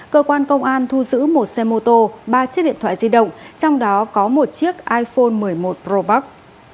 cơ quan công an thu giữ một xe mô tô ba chiếc điện thoại di động trong đó có một chiếc iphone một mươi một pro max